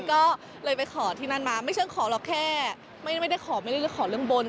ก็เลยไปขอที่นั่นมาไม่ใช่ขอหรอกแค่ไม่ได้ขอไม่ได้ขอเรื่องบน